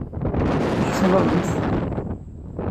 Tḥeṣlemt?